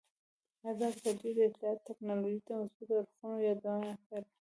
ازادي راډیو د اطلاعاتی تکنالوژي د مثبتو اړخونو یادونه کړې.